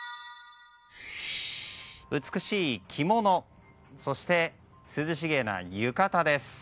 美しい着物そして、涼しげな浴衣です。